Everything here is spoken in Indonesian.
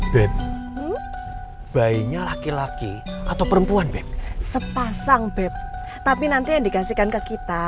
bet bayinya laki laki atau perempuan sepasang beb tapi nanti dikasihkan ke kita